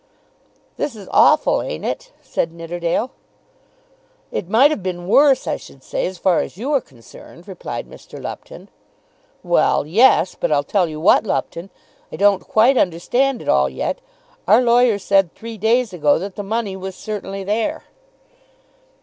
"This is awful; ain't it?" said Nidderdale. "It might have been worse, I should say, as far as you are concerned," replied Mr. Lupton. "Well, yes. But I'll tell you what, Lupton. I don't quite understand it all yet. Our lawyer said three days ago that the money was certainly there."